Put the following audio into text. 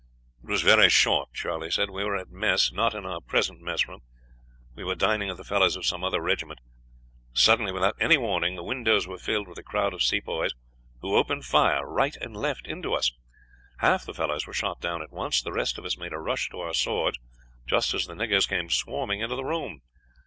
"'It was very short,' Charley said. 'We were at mess not in our present mess room we were dining with the fellows of some other regiment. Suddenly, without any warning, the windows were filled with a crowd of Sepoys, who opened fire right and left into us. Half the fellows were shot down at once; the rest of us made a rush to our swords just as the niggers came swarming into the room.